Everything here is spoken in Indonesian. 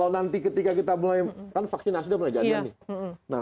kalau nanti ketika kita mulai kan vaksinasi sudah mulai jadi nih